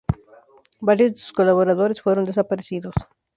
Varios de sus colaboradores fueron desaparecidos.